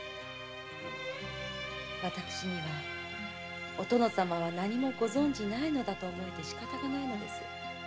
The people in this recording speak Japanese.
私には「お殿様はご存じない」と思えてしかたないのです。